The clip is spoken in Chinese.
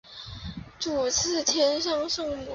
主祀天上圣母。